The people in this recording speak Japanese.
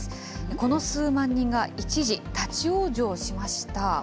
この数万人が一時、立往生しました。